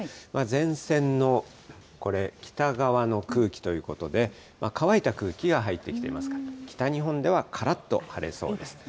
前線のこれ、北側の空気ということで、乾いた空気が入ってきていますから、北日本ではからっと晴れそうです。